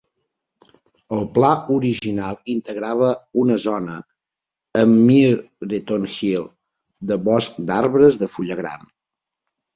El pla original integrava una zona, a Myreton Hill, de bosc d'arbres de fulla gran.